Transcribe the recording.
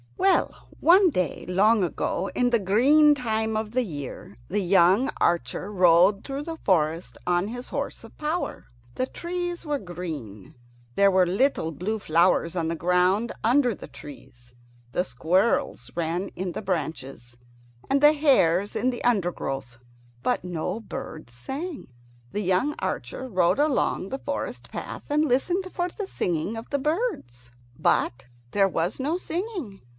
Well, one day long ago, in the green time of the year, the young archer rode through the forest on his horse of power. The trees were green; there were little blue flowers on the ground under the trees; the squirrels ran in the branches, and the hares in the undergrowth; but no birds sang. The young archer rode along the forest path and listened for the singing of the birds, but there was no singing.